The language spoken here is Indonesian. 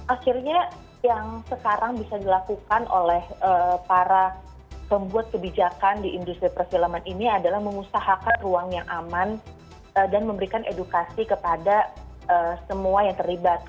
akhirnya yang sekarang bisa dilakukan oleh para pembuat kebijakan di industri perfilman ini adalah mengusahakan ruang yang aman dan memberikan edukasi kepada semua yang terlibat